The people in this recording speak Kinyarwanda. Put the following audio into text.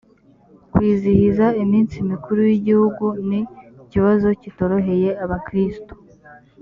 kwizihiza iminsi mikuru y’igihugu ni ikibazo kitoroheye abakristo